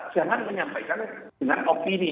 jangan menyampaikan dengan opini